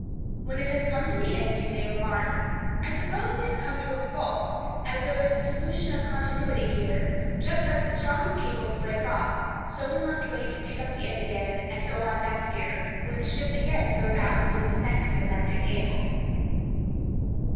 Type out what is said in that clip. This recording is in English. When it has come to the end, you may remark: "I suppose we have come to a fault, as there is a 'solution of continuity here, just as the strongest cables break off,' so we must wait to pick up the end again, and go on next year, when the ship again goes out with its next Atlantic Cable."